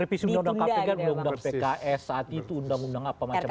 revisi undang undang kpk undang undang pks saat itu undang undang apa macam macam